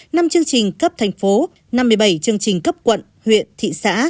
năm chương trình cấp thành phố năm một mươi bảy chương trình cấp quận huyện thị xã